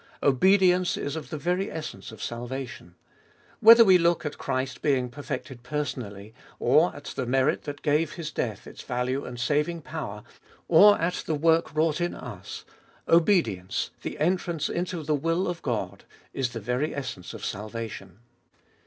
Obedience is of the very essence of salvation. Whether we looh at Christ being perfected personally, or at the merit that gave His death its value and saving power, or at the work wrought in us— obedience, the entrance into the will of God, is the very essence of salvation.